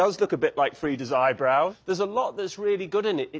はい。